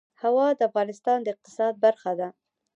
هوا د افغانستان د اقتصاد برخه ده.